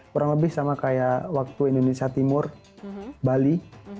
kurang lebih sama kayak waktu indonesia timur bali